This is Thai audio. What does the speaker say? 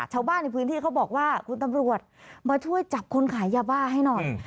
ชาวบ้านในพื้นที่เขาบอกว่าคุณตำรวจมาช่วยจับคนขายยาบ้าให้หน่อย